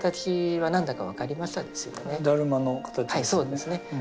はいそうですね。